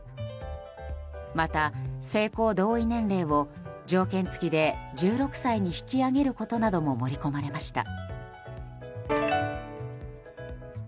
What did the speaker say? また、性交同意年齢を条件付きで１６歳に引き上げることなども盛り込まれました。